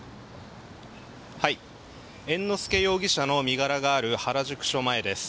猿之助容疑者の身柄がある原宿署前です。